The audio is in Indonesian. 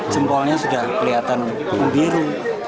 jempolnya sudah kelihatan biru